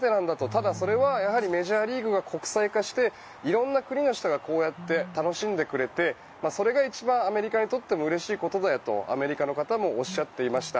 ただ、それはメジャーリーグが国際化して色んな国の人がこうやって楽しんでくれてそれが一番アメリカにとってもうれしいことだよとアメリカの方もおっしゃっていました。